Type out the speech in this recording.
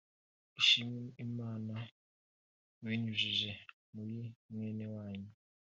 ushime Imana ubinyujije muri mwene wanyu